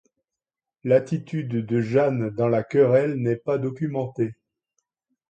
L'attitude de Jeanne dans la querelle n'est pas documenté.